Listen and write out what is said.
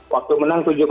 waktu menang tujuh lambrune